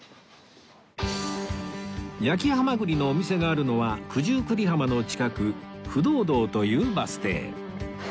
焼きハマグリのお店があるのは九十九里浜の近く不動堂というバス停